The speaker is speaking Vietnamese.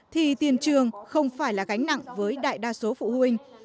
thì tiền trường không phải là gánh nặng với đại đa số phụ huynh